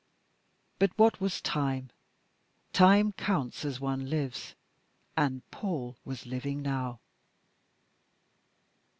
But what was time? Time counts as one lives, and Paul was living now.